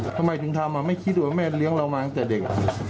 ทำไมถึงทำไม่คิดว่าแม่เลี้ยงเรามาตั้งแต่เด็ก